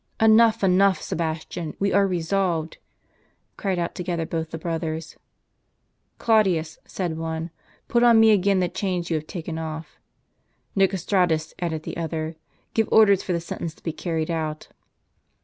" Enough, enough, Sebastian, we are resolved," cried out together both the brothers. "Claudius," said one, "put on me again the chains you have taken off." " Nicostratus," added the other, " give orders for the sen tence to be carried out."